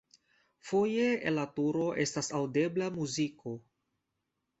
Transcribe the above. Foje el la turo estas aŭdebla muziko.